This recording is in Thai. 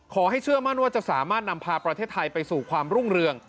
เชื่อมั่นว่าจะสามารถนำพาประเทศไทยไปสู่ความรุ่งเรือง